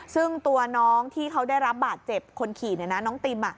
ซึ่งตัวน้องที่เขาได้รับบาดเจ็บคนขี่น้องติม